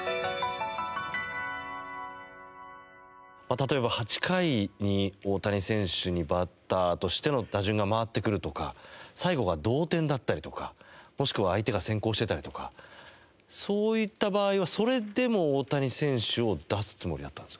例えば８回に大谷選手にバッターとしての打順が回ってくるとか最後が同点だったりとかもしくは相手が先行してたりとかそういった場合はそれでも大谷選手を出すつもりだったんですか？